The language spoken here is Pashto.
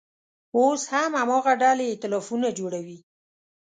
اوس هم هماغه ډلې اییتلافونه جوړوي.